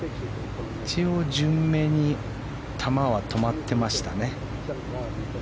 一応、順目に球は止まってましたね。